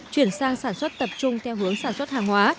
chuyển sang sản xuất tập trung theo hướng sản xuất hàng hóa